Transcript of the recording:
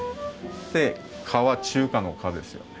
で「か」は中華の「華」ですよね。